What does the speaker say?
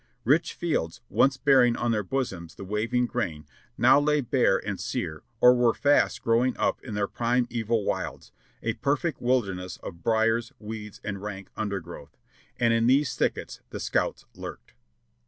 Rich fields, once bearing on their bosoms the waving grain, now lay bare and sere or were fast growing up in their primeval "the debatabIvE eand" 643 wilds, a perfect wilderness of briers, weeds and rank undergrowth ; and in these thickets the scouts lurked.